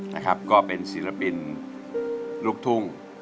นะครับก็เป็นศิลปินลูกทุ่ง